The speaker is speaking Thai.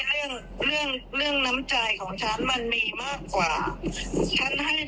เรื่องของเรื่องนี้ไม่อยากคุย